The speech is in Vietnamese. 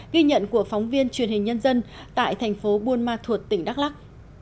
ghi nhận của phóng viên truyền hình nhân dân tại thành phố buôn ma thuột tỉnh đắk lắc